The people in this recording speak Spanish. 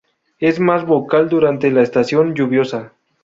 Es más vocal durante la estación lluviosa.